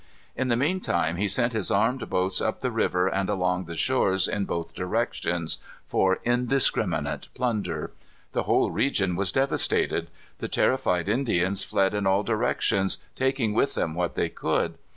In the mean time he sent his armed boats up the river and along the shores in both directions for indiscriminate plunder. The whole region was devastated. The terrified Indians fled in all directions, taking with them what they could.